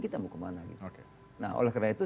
kita mau ke mana gitu oke nah oleh karena itu